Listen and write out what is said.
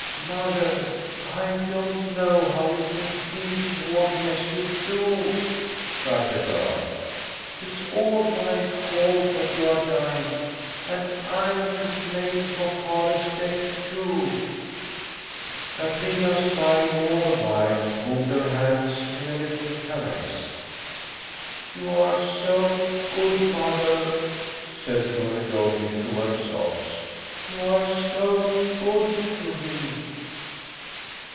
"Mother, I don't know how you can feel toward me as you do!" cried the girl. "It's all my fault that you are dying, and I'm to blame for father's death, too." Katrina, smiling all the while, moved her hands in a little caress. "You are so good, mother," said Glory Goldie through her sobs. "You are so good to me!"